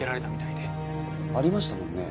ありましたもんね。